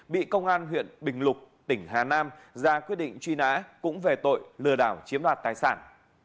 bị công an huyện bình lục tỉnh hà nam ra quyết định truy nã cũng về tội lừa đảo chiếm đoạt tài sản